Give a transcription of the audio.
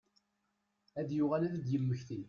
Ad yuɣal ad d-yemmekti.